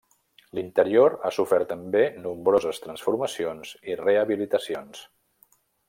L'interior ha sofert també nombroses transformacions i rehabilitacions.